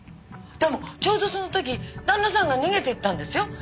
でもちょうどその時旦那さんが逃げていったんですよ。